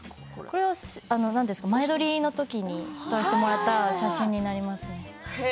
これは前撮りの時に撮らせてもらった写真になりますね。